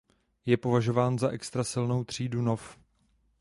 Je považován za extra silnou třídu nov.